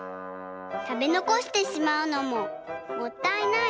たべのこしてしまうのももったいない。